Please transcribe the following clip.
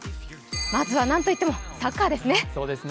まずはなんといってもサッカーですね。